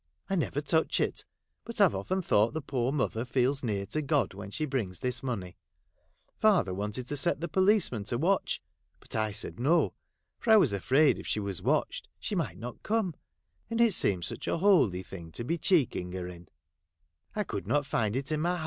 I never touch it, but I 've oftqn thought the poor motluT feds near to God when she brings this iuon> m .si to set the policeman to watch, but I .said No, for I was afraid if a!: !ied she might not come, and it seemed such a holy thing to be checking her in, I could not lind in my